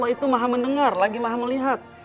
itu maha mendengar lagi maha melihat